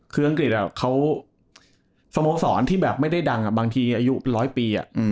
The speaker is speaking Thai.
คืออังกฤษเขาสโมสรที่แบบไม่ได้ดังบางทีอายุร้อยปี